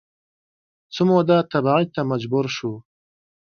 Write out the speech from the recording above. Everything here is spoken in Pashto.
څه موده تبعید ته مجبور شو